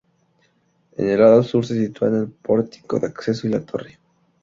En el lado sur se sitúan el pórtico de acceso y la torre.